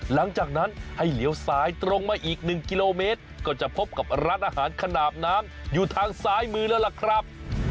หลังจากนั้นให้เหลียวซ้ายตรงมาอีก๑กิโลเมตรก็จะพบกับร้านอาหารขนาดน้ำอยู่ทางซ้ายมือแล้วล่ะครับ